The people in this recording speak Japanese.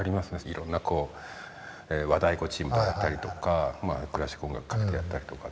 いろんな和太鼓チームとやったりとかクラシック音楽をかけてやったりとか。